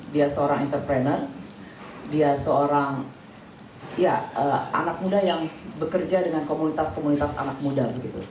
dia seorang entrepreneur dia seorang anak muda yang bekerja dengan komunitas komunitas anak muda